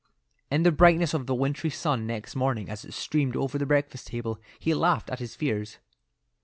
In the brightness of the wintry sun next morning as it streamed over the breakfast table he laughed at his fears.